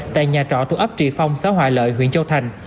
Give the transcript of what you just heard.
tại nhà trọ thuốc ấp trị phong xã hòa lợi huyện châu thành